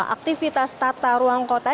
aktivitas tata ruang kota